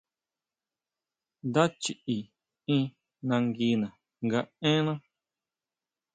Ndá chiʼi in nanguina nga énná.